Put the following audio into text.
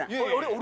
俺？